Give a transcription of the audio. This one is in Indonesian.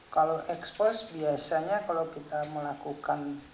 kalau expose biasanya kalau kita melakukan